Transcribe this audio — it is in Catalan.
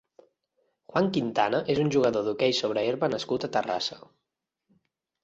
Juan Quintana és un jugador d'hoquei sobre herba nascut a Terrassa.